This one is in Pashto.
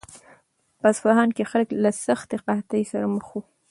په اصفهان کې خلک له سختې قحطۍ سره مخ وو.